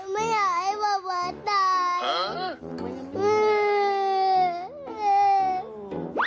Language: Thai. ไม่อยากให้ป๊าป๊าตาย